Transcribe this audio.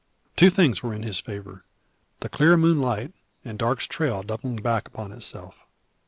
Two things were in his favour the clear moonlight and Darke's trail doubling back upon itself.